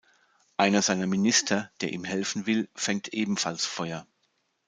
Einer seiner Minister, der ihm helfen will, fängt ebenfalls Feuer.